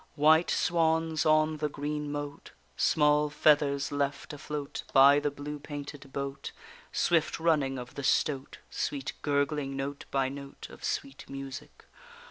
White swans on the green moat, Small feathers left afloat By the blue painted boat; Swift running of the stoat, Sweet gurgling note by note Of sweet music.